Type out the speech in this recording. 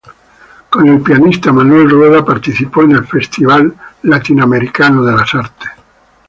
Con el pianista Manuel Rueda participó en el "Festival Latino-americano de las Artes".